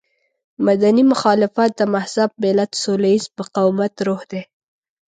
مدني مخالفت د مهذب ملت سوله ييز مقاومت روح دی.